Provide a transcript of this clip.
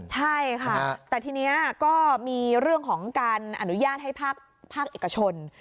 ใช่ค่ะแต่ทีนี้ก็มีเรื่องของการอนุญาตให้ภาคเอกชน